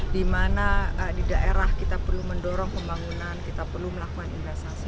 di mana di daerah kita perlu mendorong pembangunan kita perlu melakukan investasi